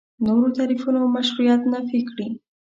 نورو تعریفونو مشروعیت نفي کړي.